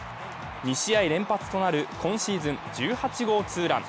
２試合連発となる今シーズン１８号ツーラン。